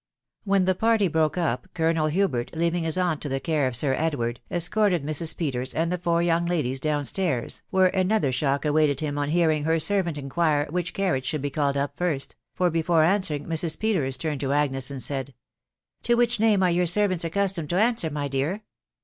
When the party broke up, Colonel Hubert, leaving his aunt to the care of Sir Edward, escorted Mrs. Peters and the four young ladies down stairs, where, another shock awaited him on hearing her servant inquire which carriage should be called up first, for, before answering, Mrs. Peters turned to Agnes, and said, —" To which name are your servants accustomed to answer, my dear